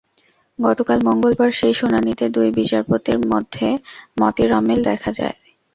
গতকাল মঙ্গলবার সেই শুনানিতে দুই বিচারপতির মধ্যে মতের অমিল দেখা দেয়।